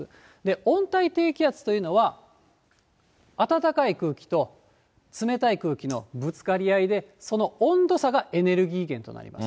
温帯低気圧というのは、暖かい空気と冷たい空気のぶつかり合いで、その温度差がエネルギー源となります。